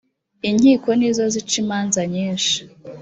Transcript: inkiko nizozicimanza nyinshi .